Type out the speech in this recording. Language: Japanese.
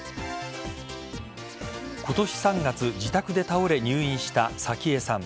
今年３月、自宅で倒れ入院した早紀江さん。